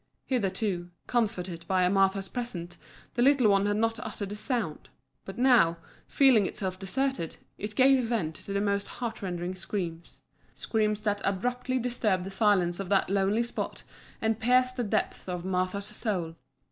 Hitherto, comforted by Martha's presence, the little one had not uttered a sound; but now, feeling itself deserted, it gave vent to the most heartrending screams screams that abruptly disturbed the silence of that lonely spot and pierced to the depths of Martha's soul.